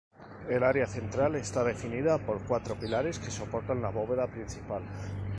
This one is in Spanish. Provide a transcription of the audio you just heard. El área central está definida por cuatro pilares que soportan la bóveda principal.